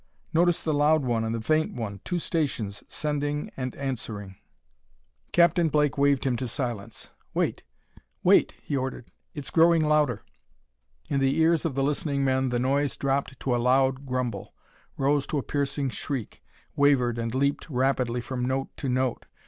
Notice the loud one and the faint one; two stations sending and answering." Captain Blake waved him to silence. "Wait wait!" he ordered. "It's growing louder!" In the ears of the listening men the noise dropped to a loud grumble; rose to a piercing shriek; wavered and leaped rapidly from note to note.